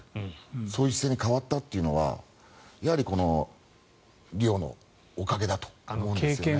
そういう姿勢に変わったというのはやはりリオのおかげだと思うんですね。